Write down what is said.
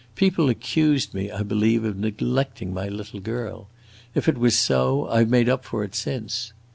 People accused me, I believe, of neglecting my little girl; if it was so, I 've made up for it since.